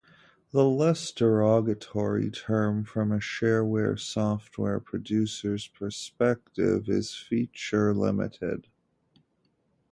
The less derogatory term, from a shareware software producer's perspective, is "feature-limited".